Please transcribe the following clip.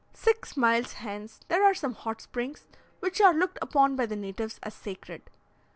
Six miles hence, there are some hot springs, which are looked upon by the natives as sacred.